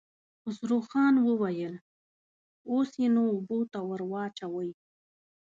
خسرو خان وويل: اوس يې نو اوبو ته ور واچوئ.